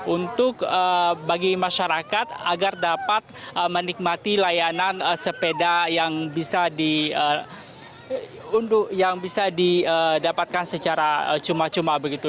untuk bagi masyarakat agar dapat menikmati layanan sepeda yang bisa didapatkan secara cuma cuma begitu